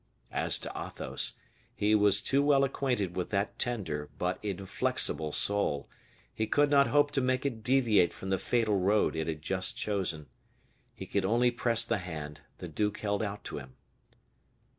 As to Athos, he was too well acquainted with that tender, but inflexible soul; he could not hope to make it deviate from the fatal road it had just chosen. He could only press the hand the duke held out to him.